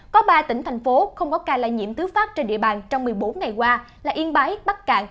có ba tỉnh thành phố không có ca lây nhiễm thứ phát trên địa bàn trong một mươi bốn ngày qua là yên bái bắc cạn